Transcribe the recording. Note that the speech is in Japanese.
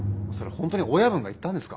本当に親分が言ったんですか？